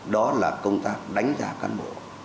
đó là công tác đánh giá cán bộ